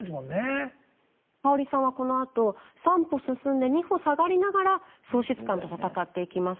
香さんはこのあと３歩進んで２歩下がりながら喪失感と闘っていきます。